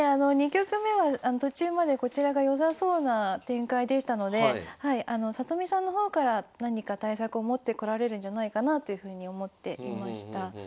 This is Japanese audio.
２局目は途中までこちらが良さそうな展開でしたので里見さんの方から何か対策を持ってこられるんじゃないかなというふうに思っていました。